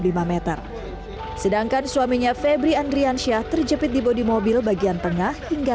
lima m sedangkan suaminya febri andriansyah terjepit di bodi mobil bagian tengah hingga